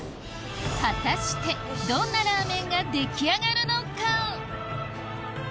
果たしてどんなラーメンが出来上がるのか？